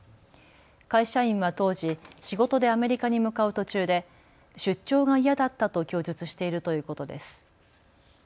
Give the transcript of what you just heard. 会社員は当時、仕事でアメリカに向かう途中で出張が嫌だったと供述しているということです。